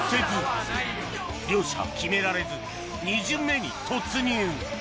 両者決められず２巡目に突入